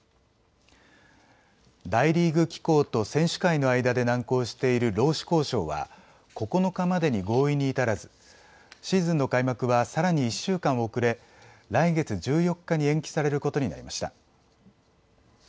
大リーグ機構と選手会の間で難航している労使交渉は９日までに合意に至らずシーズンの開幕はさらに１週間遅れ来月１４日に延期されることになりました。